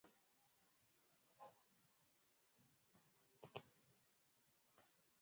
Kote la Haki za Kibinadamu na Makubaliano